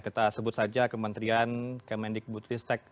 kita sebut saja kementerian kemendikbutristek